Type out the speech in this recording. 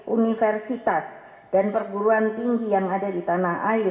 universitas dan perguruan tinggi yang ada di tanah air